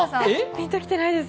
ピンときてないです。